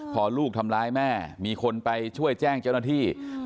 พอลูกทำร้ายแม่มีคนไปช่วยแจ้งเจ้าหน้าที่